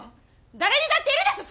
誰にだっているでしょ